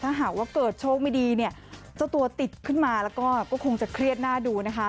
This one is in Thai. ถ้าหากว่าเกิดโชคไม่ดีเนี่ยเจ้าตัวติดขึ้นมาแล้วก็คงจะเครียดหน้าดูนะคะ